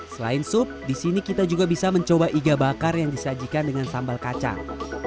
selain sup di sini kita juga bisa mencoba iga bakar yang disajikan dengan sambal kacang